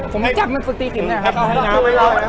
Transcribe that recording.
ผมไม่จับมันสุดที่ขิบเนี่ยครับ